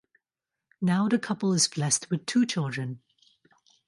Now the couple is blessed with two children.